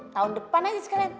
tahun depan aja sekarang